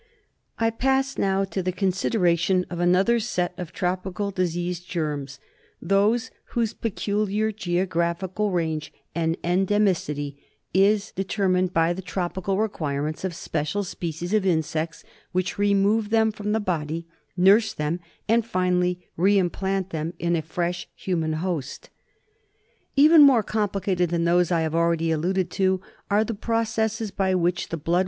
I pass now to the considerat' >n of another set of tropical disease germs — those whose peculiar geographical range and endemicity is determined by the tropical requirements of special species of insects which re move them from the body, nurse them, and finally re implant them in a fresh human host. Even more complicated * than those I have already ■ alluded to are the pro cesses by which the blood.